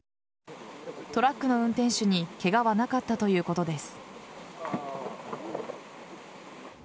トラックの運転手にケガはなかったということです。